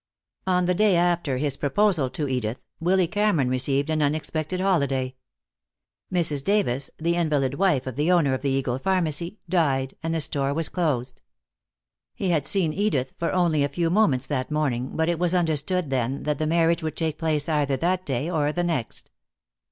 On the day after his proposal to Edith, Willy Cameron received an unexpected holiday. Mrs. Davis, the invalid wife of the owner of the Eagle Pharmacy, died and the store was closed. He had seen Edith for only a few moments that morning, but it was understood then that the marriage would take place either that day or the next.